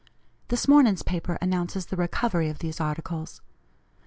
This morning's paper announces the recovery of these articles.